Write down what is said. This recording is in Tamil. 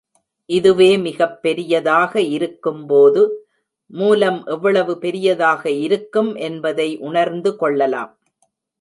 இதுவே மிகப் பெரியதாக இருக்கும்போது, மூலம் எவ்வளவு பெரியதாக இருக்கும் என்பதை உணர்ந்து கொள்ளலாம்.